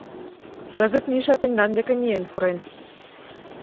Кызыт Миша тендан деке миен пурен.